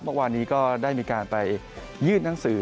เมื่อวานนี้ก็ได้มีการไปยื่นหนังสือ